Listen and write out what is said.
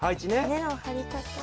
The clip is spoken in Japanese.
根の張り方草丈。